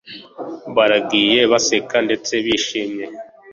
Baragiye baseka ndetse bishimye